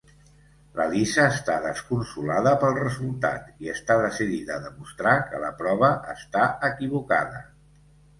La Lisa està desconsolada pel resultat i està decidida a demostrar que la prova està equivocada.